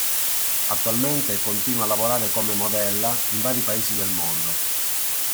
Attualmente continua a lavorare come modella, in vari Paesi del mondo.